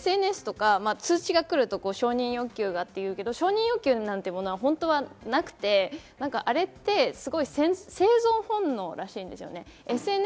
ＳＮＳとか通知が来ると承認欲求がっていうけど、それは本当はなくて、あれって、生存本能らしいんですよ。